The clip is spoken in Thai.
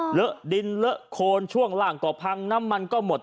เหลือดินเหลือโคนช่วงหลั่งก็พังน้ำมันก็หมด